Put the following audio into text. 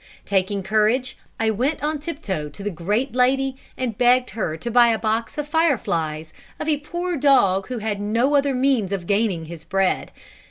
Taking courage, I went on tiptoe to the great lady, and begged her to buy a box of "fire flies" of a poor dog who had no other means of gaining his bread.